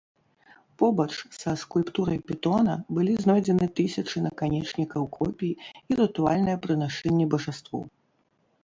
Побач са скульптурай пітона былі знойдзены тысячы наканечнікаў копій і рытуальныя прынашэнні бажаству.